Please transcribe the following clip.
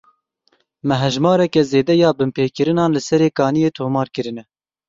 Me hejmareke zêde ya binpêkirinan li Serê Kaniyê tomar kirine.